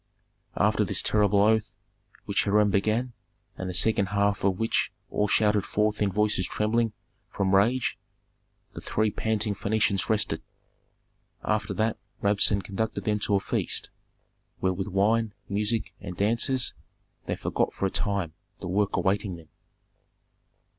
After this terrible oath, which Hiram began, and the second half of which all shouted forth in voices trembling from rage, the three panting Phœnicians rested. After that Rabsun conducted them to a feast where with wine, music, and dancers they forgot for a time the work awaiting them.